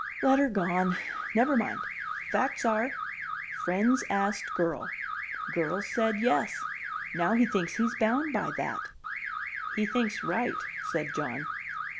"Letter gone. Never mind. Facts are: friend's asked girl. Girl's said yes. Now he thinks he's bound by that." "He thinks right," said John.